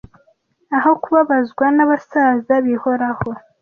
ah kubabazwa n'abasaza bihoraho